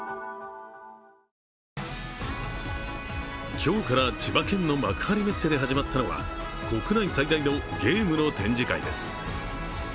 今日から千葉県の幕張メッセで始まったのは国内最大のゲームの展示会です。